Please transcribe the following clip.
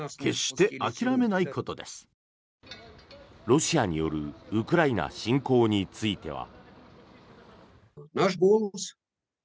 ロシアによるウクライナ侵攻については。